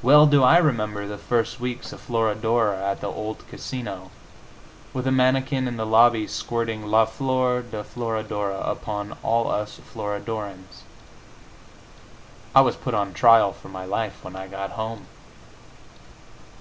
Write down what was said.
Well do I remember the first weeks of "Florodora" at the old Casino, with a mannikin in the lobby squirting "La Flor de Florodora" upon all us Florodorans.... I was put on trial for my life when I got home!